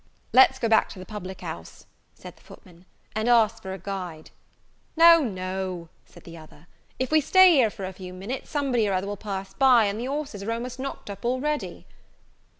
"Let's go back to the public house," said the footman, "and ask for a guide." "No, no," said the other, "if we stay here a few minutes, somebody or other will pass by; and the horses are almost knocked up already."